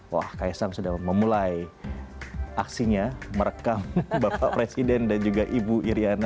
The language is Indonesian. wah kaisang sudah memulai aksinya merekam bapak presiden dan juga ibu iryana